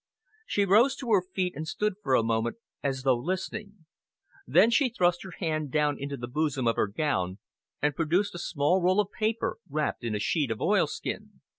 She rose to her feet and stood for a moment as though listening. Then she thrust her hand down into the bosom of her gown and produced a small roll of paper wrapped in a sheet of oilskin.